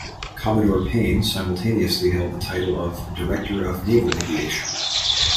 Commodore Paine simultaneously held the title of Director of Naval Aviation.